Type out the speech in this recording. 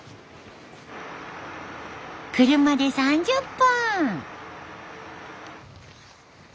車で３０分。